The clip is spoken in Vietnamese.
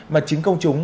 mà chính công chúng